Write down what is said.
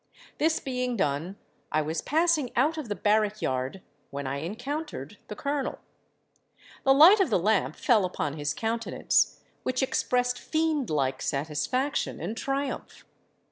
This being done, I was passing out of the barrack yard, when I encountered the Colonel. The light of the lamp fell upon his countenance, which expressed fiend like satisfaction and triumph.